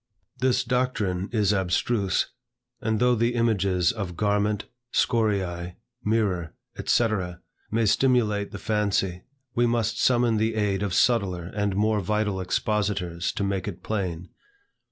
This doctrine is abstruse, and though the images of "garment," "scoriae," "mirror," &c., may stimulate the fancy, we must summon the aid of subtler and more vital expositors to make it plain.